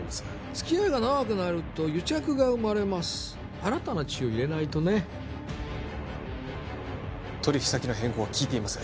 つきあいが長くなると癒着が生まれます新たな血を入れないとね取引先の変更は聞いていません